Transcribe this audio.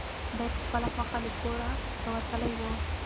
دی په خپله خوښه له کوره راوتلی و.